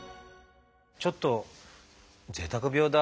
ちょっとぜいたく病だ」。